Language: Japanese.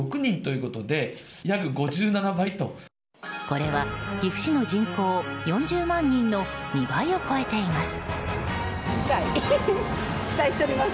これは岐阜市の人口４０万人の２倍を超えています。